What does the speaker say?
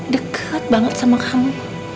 deket banget sama kamu